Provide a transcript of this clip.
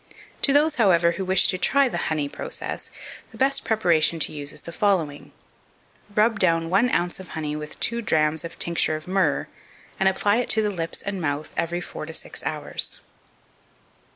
2532. To those, however, who wish to try the honey process, the best preparation to use is the following: Rub down one ounce of honey with two drachms of tincture of myrrh, and apply it to the lips and mouth every four or six hours.